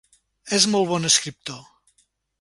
És molt bon escriptor.